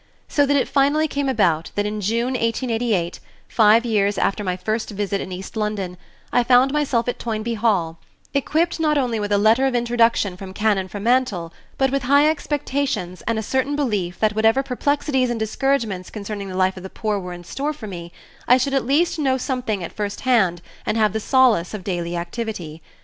So that it finally came about that in June, 1888, five years after my first visit in East London, I found myself at Toynbee Hall equipped not only with a letter of introduction from Canon Fremantle, but with high expectations and a certain belief that whatever perplexities and discouragement concerning the life of the poor were in store for me, I should at least know something at first hand and have the solace of daily activity.